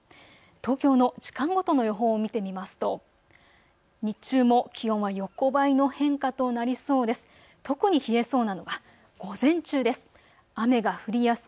東京の時間ごとの予報を見てみますと日中も気温は横ばいの変化となりそうです。